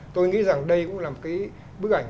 tôi nghĩ rằng đây cũng là một cái bức ảnh